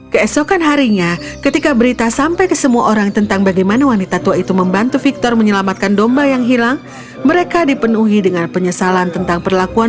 keesokan harinya ketika berita sampai ke semua orang tentang bagaimana wanita tua itu membantu victor menyelamatkan domba yang hilang mereka dipenuhi dengan penyesalan tentang perlakuan